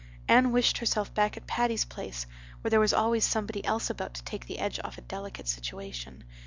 Anne wished herself back at Patty's Place, where there was always somebody else about to take the edge off a delicate situation.